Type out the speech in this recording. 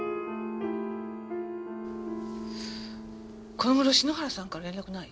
この頃篠原さんから連絡ない？